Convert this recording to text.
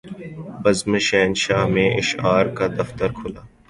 بزم شاہنشاہ میں اشعار کا دفتر کھلا